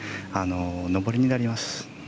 上りになります。